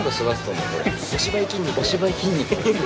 お芝居筋肉。